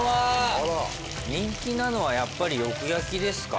人気なのはやっぱりよく焼きですか？